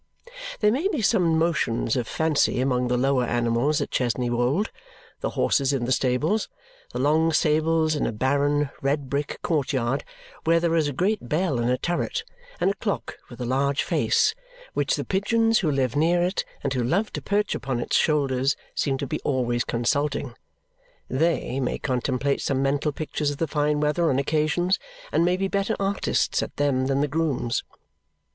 There may be some motions of fancy among the lower animals at Chesney Wold. The horses in the stables the long stables in a barren, red brick court yard, where there is a great bell in a turret, and a clock with a large face, which the pigeons who live near it and who love to perch upon its shoulders seem to be always consulting THEY may contemplate some mental pictures of fine weather on occasions, and may be better artists at them than the grooms.